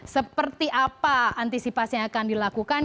seperti apa antisipasi yang akan dilakukan